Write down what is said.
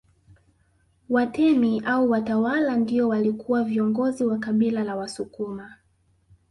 Watemi au watawala ndio walikuwa viongozi wa kabila la Wasukuma